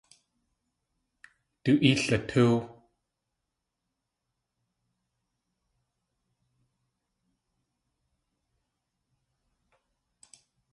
Du ée latóow!